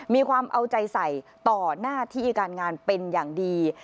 มีความเอาใจใส่ต่อหน้าที่การงานเป็นอย่างดี